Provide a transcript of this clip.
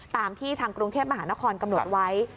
ตามที่ทางกรุงเทพมหานครกำหนดไว้